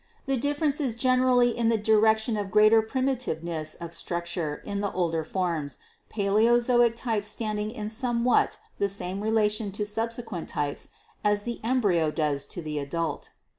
The difference is generally in the direction of greater primitiveness of structure in the older forms, Paleozoic types standing in somewhat the same relation to subsequent types as the embryo does to the adult.